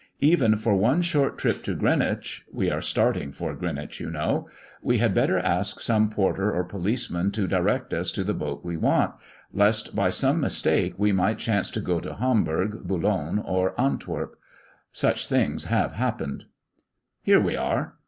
Even for one short trip to Greenwich we are starting for Greenwich, you know we had better ask some porter or policeman to direct us to the boat we want, lest by some mistake we might chance to go to Hamburg, Boulogne, or Antwerp. Such things have happened. Here we are!